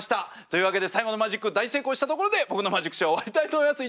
というわけで最後のマジック大成功したところで僕のマジックショー終わりたいと思います。